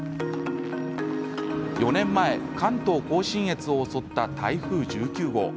４年前、関東甲信越を襲った台風１９号。